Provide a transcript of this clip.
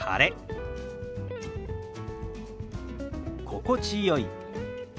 「心地よい」。